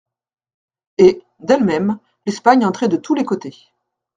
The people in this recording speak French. Et, d'elle-même, l'Espagne entrait de tous les côtés.